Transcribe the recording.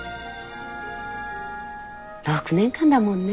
６年間だもんね。